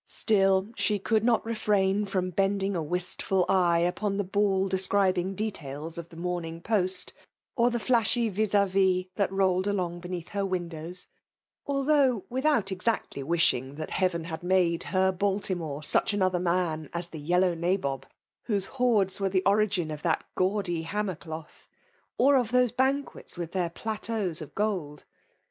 Still, she could no^ refrain &om bending a wistful eye upon the ball describing details of the Morning Fost« or the flashy vis a^is that rolled along be* neath her windows ; although without exactly wishing that heaven had made her Baltimore such another man 'as the yellow nabob whose hoards were the origin of that gaudy hammer doth ; or of those banquets with their plateaux of gold.